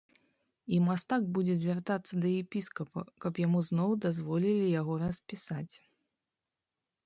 І мастак будзе звяртацца да епіскапа, каб яму зноў дазволілі яго распісаць.